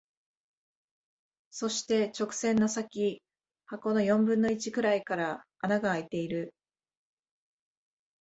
そして、直線の先、箱の四分の一くらいから穴が空いている。